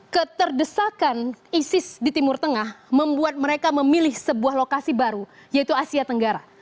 keterdesakan isis di timur tengah membuat mereka memilih sebuah lokasi baru yaitu asia tenggara